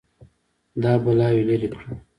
دا بلاوې لرې کړه